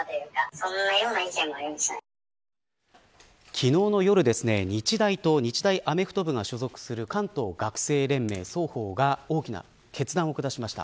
昨日の夜、日大と日大アメフト部が所属する関東学生連盟、双方が大きな決断を下しました。